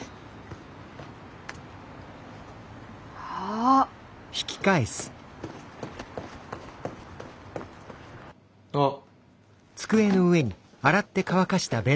あ！あっ。